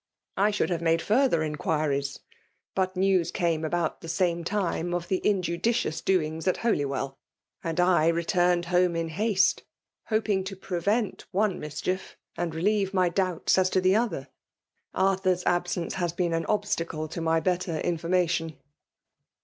I should have made fiirther in ^ qutrios; but news came abOut the same time oS VOL. II. M 242 FcaiAUi ooMiMATioir, the iiyudicioas doings at Holywell ; aad I re^^ turned home in haste^ hoping to prevent one Buachiefj and relieve my doubts as to the other. Alrthur*8 absence has been an obstacle to my better information.'